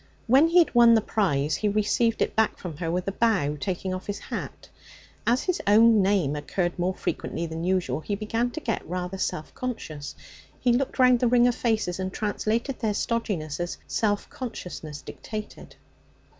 When he had won the prize he received it back from her with a bow, taking off his hat. As his own name occurred more frequently than usual, he began to get rather self conscious. He looked round the ring of faces, and translated their stodginess as self consciousness dictated.